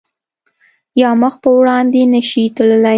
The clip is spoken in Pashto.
یا مخ په وړاندې نه شی تللی